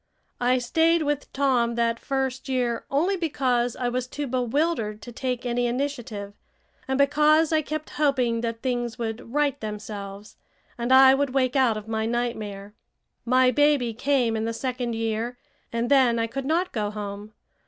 I stayed with Tom that first year only because I was too bewildered to take any initiative, and because I kept hoping that things would right themselves and I would wake out of my nightmare. My baby came in the second year, and then I could not go home.